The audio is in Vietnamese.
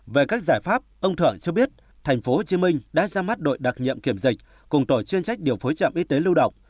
về các giải pháp ông thưởng cho biết tp hcm đã ra mắt đội đặc nhiệm kiểm dịch cùng tổ chuyên trách điều phối trạm y tế lưu động